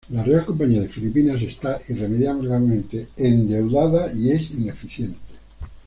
La Real Compañía de Filipinas está irremediablemente endeudada y es ineficiente.